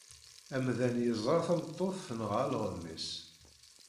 Amdan yeẓra tameṭṭut tenɣa alɣem-is.